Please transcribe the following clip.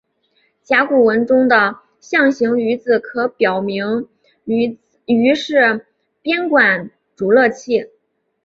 甲骨文中的象形龠字可表明龠是编管竹乐器。